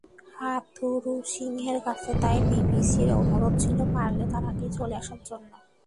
হাথুরুসিংহের কাছে তাই বিসিবির অনুরোধ ছিল পারলে তার আগেই চলে আসার জন্য।